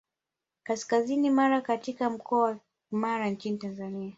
Kaskazini Mara katika mkoa wa Mara nchini Tanzania